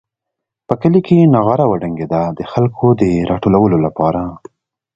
په کلي کې نغاره وډنګېده د خلکو د راټولولو لپاره.